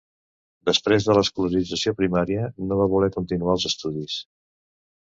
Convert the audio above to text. Després de l'escolarització primària, no va voler continuar els estudis.